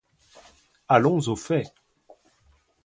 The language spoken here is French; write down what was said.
Allons au fait.